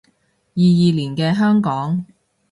二二年嘅香港